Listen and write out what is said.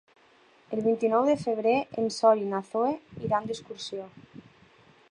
El vint-i-nou de febrer en Sol i na Zoè iran d'excursió.